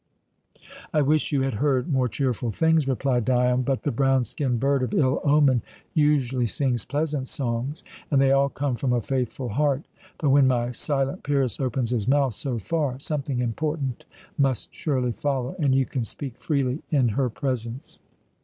"I wish you had heard more cheerful things," replied Dion; "but the brown skinned bird of ill omen usually sings pleasant songs, and they all come from a faithful heart. But when my silent Pyrrhus opens his mouth so far, something important must surely follow, and you can speak freely in her presence."